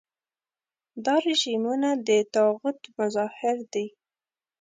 دا رژیمونه د طاغوت مظاهر دي.